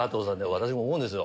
私も思うんですよ